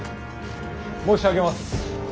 申し上げます。